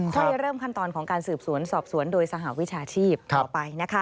ค่อยเริ่มขั้นตอนของการสืบสวนสอบสวนโดยสหวิชาชีพต่อไป